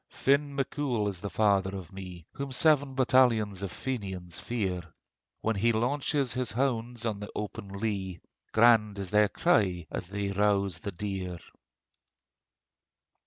Finn Mac Cool is the father of me, Whom seven battalions of Fenians fear. When he launches his hounds on the open lea, Grand is their cry as they rouse the deer.